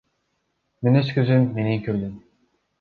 Мен өз көзүм менен көрдүм.